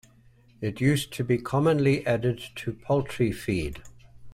It used to be commonly added to poultry feed.